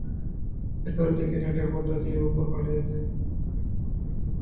ভেতরের দিকে নেটের পর্দা দিয়ে, ওপরে ভারী আরেকটি পর্দা রাখতে পারেন।